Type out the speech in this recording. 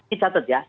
ini catat ya